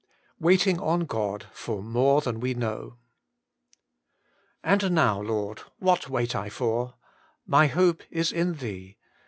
WAITING ON GOD: yor more tban we finow* * And now, Lord, what wait I for t My hope is in Thee.